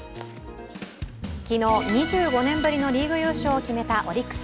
昨日、２５年ぶりのリーグ優勝を決めたオリックス。